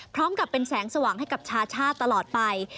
พร้อมกับเป็นแสงสว่างให้กับชาชาติตลอดไป